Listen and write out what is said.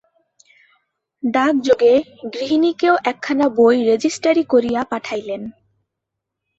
ডাকযোগে গৃহিণীকেও একখানা বই রেজেস্টারি করিয়া পাঠাইলেন।